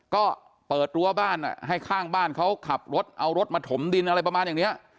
ก็เปิดรั้วบ้านให้ข้างบ้านเขาขับรถเอารถมาถมดินอะไรประมาณอย่างนี้